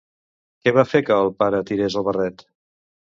Què va fer que el pare tirés el barret?